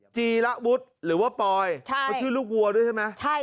จีระวุฒิหรือว่าปอยเขาชื่อลูกวัวด้วยใช่ไหม